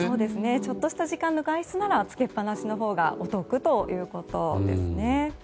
ちょっとした時間の外出なら、つけっぱなしのほうがお得ということですね。